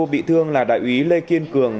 bị thương là đại úy lê kiên cường